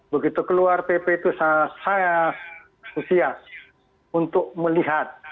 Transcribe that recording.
begitu keluar pp itu saya antusias untuk melihat